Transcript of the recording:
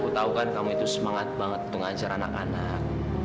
tahu kan kamu itu semangat banget untuk ngajar anak anak